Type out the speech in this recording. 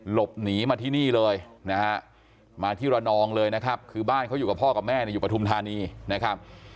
หลบหนีมาที่นี่เลยนะฮะมาที่ระนองเลยนะครับคือบ้านเขาอยู่กับพ่อกับแม่อยู่ปฐุมธานีนะครับ